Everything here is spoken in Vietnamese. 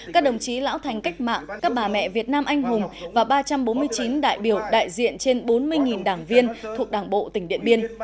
các đồng chí lão thành cách mạng các bà mẹ việt nam anh hùng và ba trăm bốn mươi chín đại biểu đại diện trên bốn mươi đảng viên thuộc đảng bộ tỉnh điện biên